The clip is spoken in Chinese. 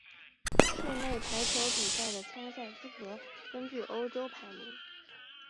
室内排球比赛的参赛资格根据欧洲排名。